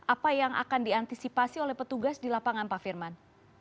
apa yang akan diantisipasi oleh petugas di lapangan pak firman